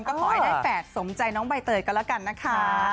ก็คอยได้แฝดสมใจน้องใบเติร์ดกันละกันนะคะ